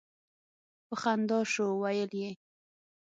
په خندا شو ویل یې.